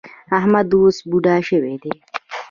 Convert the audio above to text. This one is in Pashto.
احمد اوس بوډا شوی دی.